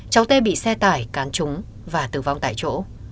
cháu tê bị xe tải cán trúng và tử vong tại chỗ